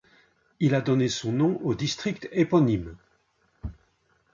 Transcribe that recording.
Il a donné son nom au district éponyme.